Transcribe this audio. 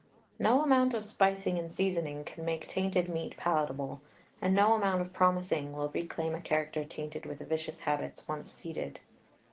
No amount of spicing and seasoning can make tainted meat palatable, and no amount of promising will reclaim a character tainted with vicious habits once seated.